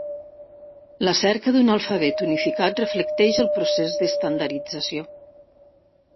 La cerca d'un alfabet unificat reflecteix el procés d'estandardització.